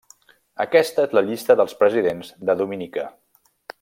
Aquesta és la llista dels presidents de Dominica.